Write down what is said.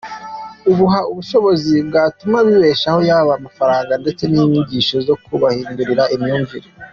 Ubaha ubushobozi bwatuma bibeshaho yaba amafaranga ndetse n’inyigisho zo kubahindurira imyumvire.